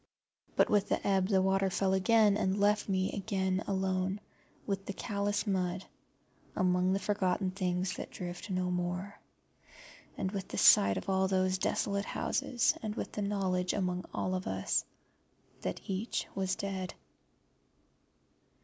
But with the ebb the water fell again, and left me alone again with the callous mud among the forgotten things that drift no more, and with the sight of all those desolate houses, and with the knowledge among all of us that each was dead.